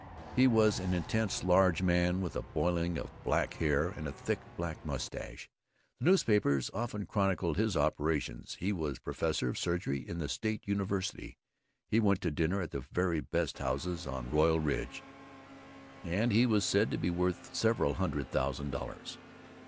He was an intense large man with a boiling of black hair and a thick black mustache. The newspapers often chronicled his operations; he was professor of surgery in the State University; he went to dinner at the very best houses on Royal Ridge; and he was said to be worth several hundred thousand dollars.